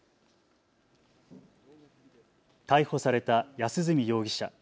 逮捕された安栖容疑者。